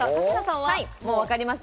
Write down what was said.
もう分かりました。